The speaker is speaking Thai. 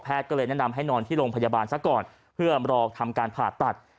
ก็เลยแนะนำให้นอนที่โรงพยาบาลซะก่อนเพื่อรอทำการผ่าตัด